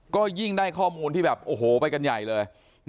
ก็ยิ่งได้ข้อมูลที่แบบโอ้โหไปกันใหญ่เลย